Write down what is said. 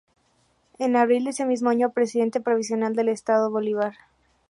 En abril de ese mismo año, Presidente provisional del Estado Bolívar.